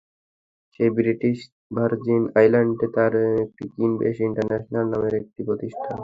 সেই British Virgin আইল্যান্ডে তাঁর ছিল কিন বেস্ট ইন্টারন্যাশনাল নামের একটি প্রতিষ্ঠান।